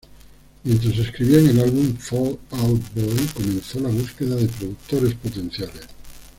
Mientras escribían el álbum, Fall Out Boy comenzó la búsqueda de productores potenciales.